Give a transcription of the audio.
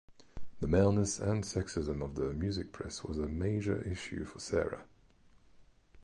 The maleness and sexism of the music press was a major issue for Sarah.